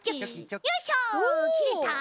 よいしょきれた！